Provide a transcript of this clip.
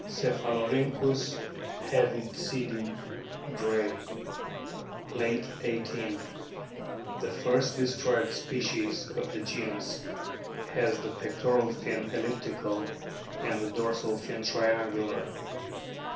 Cepkalorhynchus heavidsidii, Gray * (Plate XVIII.), the first described species of the genus, has the pectoral fin elliptical and the dorsal fin triangular.